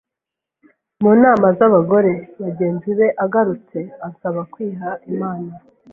mu nama z’abagore bagenzi be agarutse ansaba kwiha Imana